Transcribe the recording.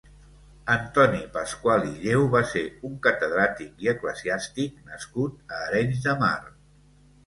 Antoni Pascual i Lleu va ser un catedràtic i eclesiàstic nascut a Arenys de Mar.